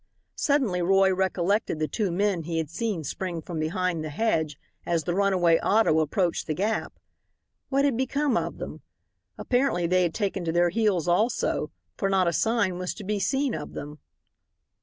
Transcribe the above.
Suddenly Roy recollected the two men he had seen spring from behind the hedge as the runaway auto approached the gap. What had become of them? Apparently they had taken to their heels also, for not a sign was to be seen of them.